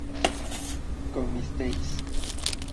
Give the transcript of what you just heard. comisteis